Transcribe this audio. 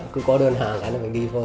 cứ có đơn hàng là mình đi thôi